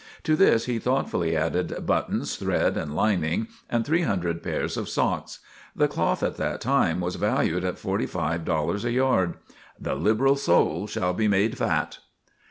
To this he thoughtfully added buttons, thread and lining and three hundred pairs of socks. The cloth at that time was valued at forty five dollars a yard. "The liberal soul shall be made fat."